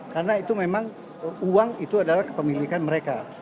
karena itu memang uang itu adalah kepemilikan mereka